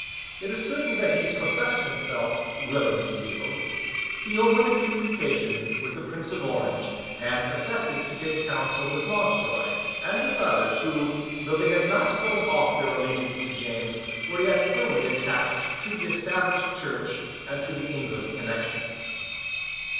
It is certain that he professed himself willing to yield. He opened a communication with the Prince of Orange, and affected to take counsel with Mountjoy, and with others who, though they had not thrown off their allegiance to James, were yet firmly attached to the Established Church and to the English connection.